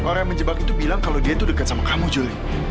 dan tahu orang yang menjebak itu bilang kalau dia dekat sama kamu juli